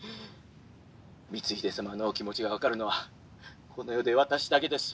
光秀様のお気持ちが分かるのはこの世で私だけです。